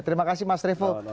terima kasih mas revol